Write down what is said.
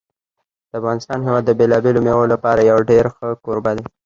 د افغانستان هېواد د بېلابېلو مېوو لپاره یو ډېر ښه کوربه دی.